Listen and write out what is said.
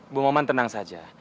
bu maman tenang saja